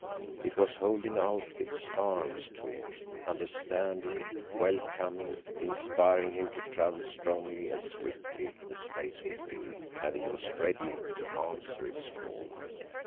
It was holding out its arms to him, understanding, welcoming, inspiring him to travel strongly and swiftly the space between. And he was ready to answer its call.